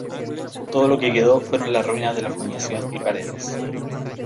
Todo lo que quedó fueron las ruinas de la fundación y paredes.